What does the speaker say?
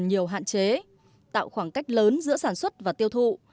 nông nghiệp phát triển còn nhiều hạn chế tạo khoảng cách lớn giữa sản xuất và tiêu thụ